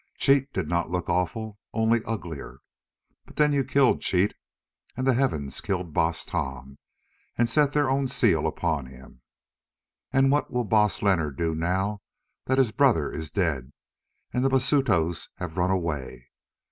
Cheat did not look awful, only uglier. But then you killed Cheat, and the Heavens killed Baas Tom and set their own seal upon him. And what will Baas Leonard do now that his brother is dead and the Basutos have run away?